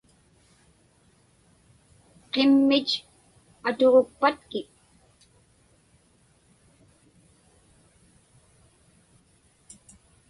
Qimmich atuġukpatkik?